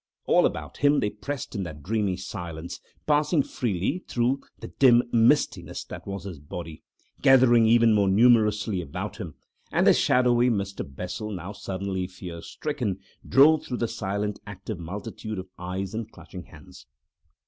All about him they pressed in that dreamy silence, passing freely through the dim mistiness that was his body, gathering ever more numerously about him. And the shadowy Mr. Bessel, now suddenly fear stricken, drove through the silent, active multitude of eyes and clutching hands.